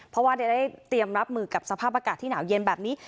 เพราะว่าได้เตรียมรับมือกับสภาพอากาศที่หนาวเย็นแบบนี้